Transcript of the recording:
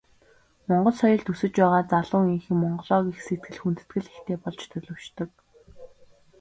Монгол соёлд өсөж байгаа залуу үеийнхэн Монголоо гэх сэтгэл, хүндэтгэл ихтэй болж төлөвшдөг.